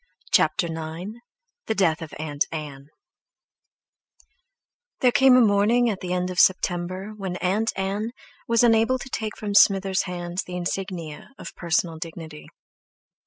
CHAPTER IX DEATH OF AUNT ANN There came a morning at the end of September when Aunt Ann was unable to take from Smither's hands the insignia of personal dignity.